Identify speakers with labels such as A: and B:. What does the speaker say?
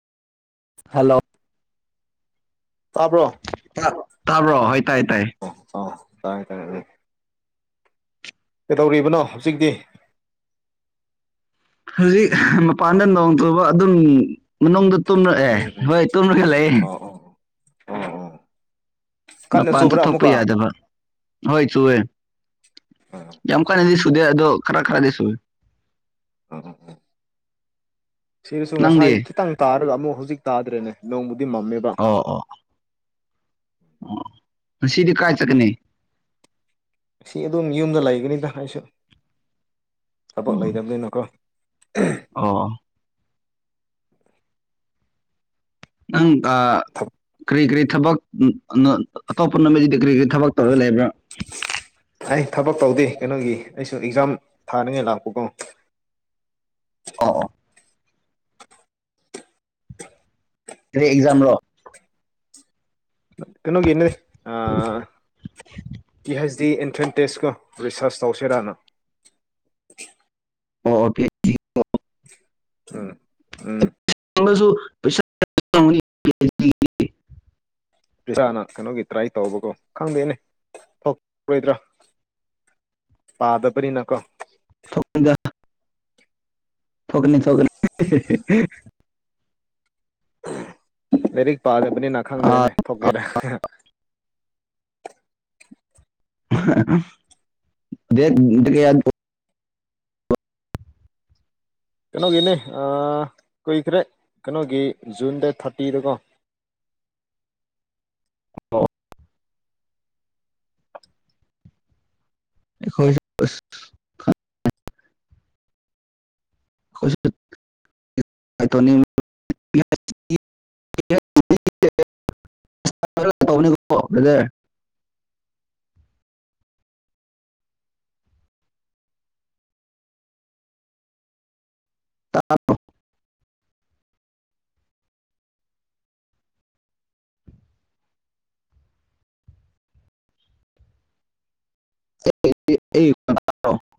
A: hello
B: ꯇꯥꯕ꯭ꯔꯣ
A: ꯇꯥꯕ꯭ꯔꯣ ꯍꯣꯏ ꯇꯥꯏ ꯇꯥꯏ
B: ꯑꯥ ꯇꯥꯔꯦ ꯇꯥꯔꯦ ꯎꯝ ꯀꯩꯗꯧꯔꯤꯕꯅꯣ ꯍꯧꯖꯤꯛꯇꯤ
A: ꯍꯧꯖꯤꯛ ꯃꯄꯥꯟꯗ ꯅꯣꯡ ꯆꯨꯕ ꯑꯗꯨꯝ ꯃꯅꯨꯡꯗ ꯇꯨꯝꯔꯛꯑꯦ
B: ꯎꯝ ꯎꯝ
A: ꯍꯣꯏ ꯇꯨꯝꯔꯒ ꯂꯩꯌꯦ
B: ꯑꯣ ꯑꯣ ꯑꯣ ꯑꯣ ꯀꯟꯅ
A: ꯃꯄꯥꯟꯗ
B: ꯆꯨꯕ꯭ꯔꯥ
A: ꯊꯣꯛꯄ
B: ꯑꯃꯨꯛꯀ
A: ꯌꯥꯗꯕ ꯍꯣꯏ ꯆꯨꯋꯦ
B: ꯑꯥ
A: ꯌꯥꯝꯀꯟꯅꯗꯤ ꯆꯨꯗꯦ ꯑꯗꯣ ꯈꯔ ꯈꯔꯗꯤ ꯆꯨꯏ
B: ꯎꯝ ꯁꯤꯗꯁꯨ ꯉꯁꯥꯏ
A: ꯅꯪꯗꯤ
B: ꯈꯤꯇꯪ ꯇꯥꯔꯒ ꯑꯃꯨꯛ ꯍꯧꯖꯤꯛ ꯇꯥꯗ꯭ꯔꯦꯅꯦ ꯅꯣꯡꯕꯨꯗꯤ ꯃꯝꯃꯦꯕ
A: ꯑꯣ ꯑꯣ ꯑꯣ ꯉꯁꯤꯗꯤ ꯀꯥꯏ ꯆꯠꯀꯅꯤ
B: ꯉꯁꯤ ꯑꯗꯨꯝ ꯌꯨꯝꯗ ꯂꯩꯒꯅꯤꯗ ꯑꯩꯁꯨ ꯊꯕꯛ ꯂꯩꯇꯕꯅꯤꯅꯀꯣ
A: ꯑꯣ ꯅꯪ ꯑ ꯀ꯭ꯔꯤ ꯀ꯭ꯔꯤ ꯊꯕꯛ ꯎꯝ ꯑꯉ ꯑꯇꯣꯞꯄ ꯅꯨꯃꯤꯗꯗꯤ ꯀ꯭ꯔꯤ ꯀ꯭ꯔꯤ ꯊꯕꯛ ꯇꯧꯔꯒ ꯂꯩꯕ꯭ꯔꯥ
B: ꯑꯩ ꯊꯕꯛ ꯇꯧꯗꯦ ꯀꯩꯅꯣꯒꯤ ꯑꯩꯁꯨ ꯑꯦꯛꯖꯥꯝ ꯊꯥꯅꯤꯡꯉꯥꯏ ꯂꯥꯛꯄꯀꯣ
A: ꯑꯣ ꯑꯣ ꯀ꯭ꯔꯤ ꯑꯦꯛꯖꯥꯝ ꯔꯣ
B: ꯀꯩꯅꯣꯒꯤꯅꯦ ꯑ ꯄꯤ ꯍꯥꯏꯁ ꯇꯤ ꯑꯦꯟꯊ꯭ꯔꯟ ꯇꯦꯁꯀ ꯔꯤꯁꯥꯔꯁ ꯇꯧꯁꯤꯔꯥꯅ
A: ꯑꯣ ꯑꯣ [unintelligible]
B: ꯎꯝ ꯎꯝ
A: [unintelligible]
B: [unintelligible] ꯀꯩꯅꯣꯒꯤ ꯇ꯭ꯔꯥꯏ ꯇꯧꯕꯀꯣ ꯈꯪꯗꯦꯅꯦ ꯊꯣꯛꯔꯣꯏꯗ꯭ꯔꯥ ꯄꯥꯗꯕꯅꯤꯅꯀꯣ
A: ꯊꯣꯛꯒꯅꯤ ꯊꯣꯛꯒꯅꯤ
B: ꯂꯥꯏꯔꯤꯛ ꯄꯥꯗꯕꯅꯤꯅ ꯈꯪꯗ꯭ꯔꯦꯅꯦ ꯊꯣꯛꯀꯦꯔ
A: ꯗꯦꯠ ꯀꯌꯥꯔꯣ
B: ꯀꯩꯅꯣꯒꯤꯅꯦ ꯑ ꯀꯨꯏꯈ꯭ꯔꯦ ꯀꯩꯅꯣꯒꯤ ꯖꯨꯟ ꯗꯦꯠ ꯊꯥꯔꯇꯤꯗꯀꯣ
A: [inaudible] [unintelligible] ꯑꯩꯈꯣꯏꯁꯤ [unintelligible] [unintelligible] ꯇꯥꯕ꯭ꯔꯣ [unintelligible]